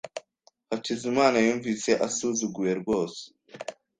Hakizimana yumvise asuzuguwe rwose.